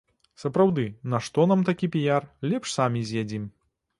Сапраўды, нашто нам такі піяр, лепш самі з'ядзім.